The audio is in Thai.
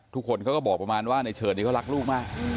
ทุกคนเขาก็บอกประมาณว่าในเฉินนี้เขารักลูกมาก